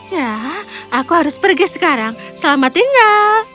ya aku harus pergi sekarang selamat tinggal